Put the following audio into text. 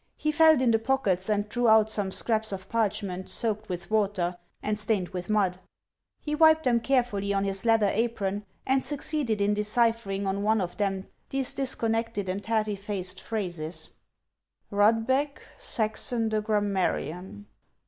He felt in the pockets, and drew out some scraps of parchment soaked with water and stained with mud ; he wiped them carefully on his leather apron, and succeeded in deciphering on one of them these disconnected and half effaced phrases :" Puulbeck, Saxon the grammarian.